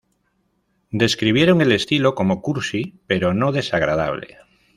Describieron el estilo como "cursi" pero no desagradable.